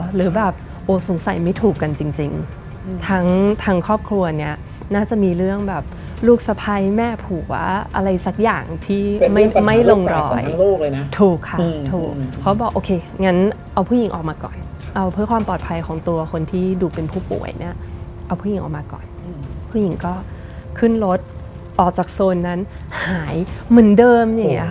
หรือแบบโอ้สงสัยไม่ถูกกันจริงทั้งทั้งครอบครัวเนี้ยน่าจะมีเรื่องแบบลูกสะพ้ายแม่ผัวอะไรสักอย่างที่ไม่ลงรอยลูกเลยนะถูกค่ะถูกเพราะบอกโอเคงั้นเอาผู้หญิงออกมาก่อนเอาเพื่อความปลอดภัยของตัวคนที่ดูเป็นผู้ป่วยเนี่ยเอาผู้หญิงออกมาก่อนผู้หญิงก็ขึ้นรถออกจากโซนนั้นหายเหมือนเดิมอย่างเงี้ค่ะ